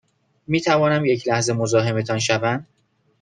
می توانم یک لحظه مزاحمتان شوم؟